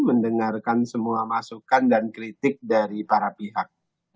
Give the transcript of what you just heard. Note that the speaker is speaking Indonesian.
mendengarkan semua masukan dan kritik dari para pihak